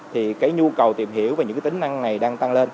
thì cái nhu cầu tìm hiểu và những tính năng này đang tăng lên